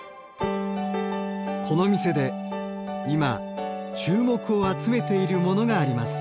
この店で今注目を集めているモノがあります。